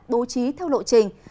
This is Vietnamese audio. bố trí theo lộ trình